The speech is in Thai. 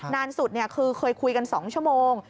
นานสุดคือเคยคุยกัน๒ชั่วโมง